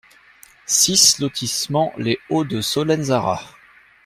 six lotissement Les Hauts de Solenzara